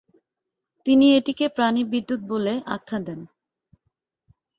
তিনি এটিকে প্রাণী বিদ্যুত বলে আখ্যা দেন।